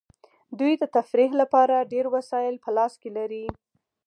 دوی د تفریح لپاره ډیر وسایل په لاس کې لري